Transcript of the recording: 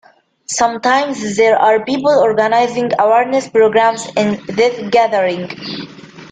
Sometimes there are people organizing awareness programmes in this gathering.